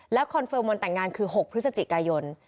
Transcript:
คอนเฟิร์มวันแต่งงานคือ๖พฤศจิกายน